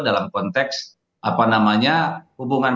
dalam konteks apa namanya hubungan